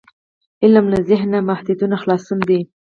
علم له ذهني محدودیتونو خلاصون دی.